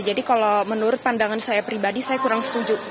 jadi kalau menurut pandangan saya pribadi saya kurang setuju